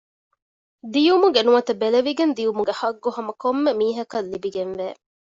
ދިޔުމުގެ ނުވަތަ ބެލެވިގެން ދިޔުމުގެ ޙައްޤު ހަމަކޮންމެ މީހަކަށް ލިބިގެންވޭ